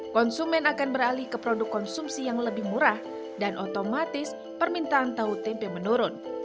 konsumen akan beralih ke produk konsumsi yang lebih murah dan otomatis permintaan tahu tempe menurun